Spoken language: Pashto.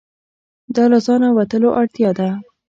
دا له ځانه وتلو اړتیا ده.